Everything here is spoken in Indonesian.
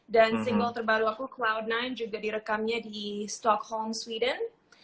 dan single terbaru aku cloud sembilan juga direkamnya di stockholm sweden